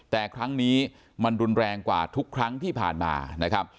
แต่ครั้งนี้มันรุนแรงกว่าทุกครั้งที่ผ่านมานะครับ